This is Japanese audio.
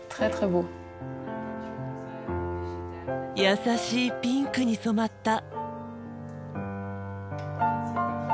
やさしいピンクに染まった。